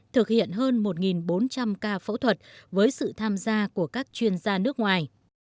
thực hiện hơn một bốn trăm linh ca phẫu thuật với sự tham gia của các chuyên gia nước ngoài